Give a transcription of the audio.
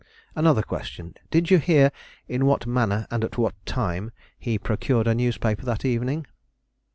"Another question; did you hear in what manner and at what time he procured a newspaper that evening?"